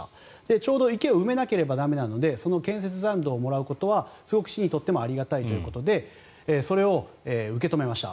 ちょうど池を埋めなければ駄目なのでその建設残土をもらうことはすごく市にとってもありがたいということでそれを受け止めました。